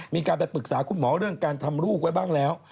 มีการไปปรึกษาคุณหมอเรื่องการทำลูกไว้บ้างแล้ว